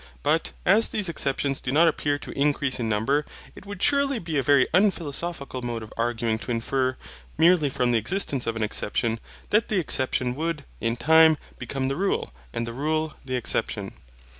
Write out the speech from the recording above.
But, as these exceptions do not appear to increase in number, it would surely be a very unphilosophical mode of arguing to infer, merely from the existence of an exception, that the exception would, in time, become the rule, and the rule the exception.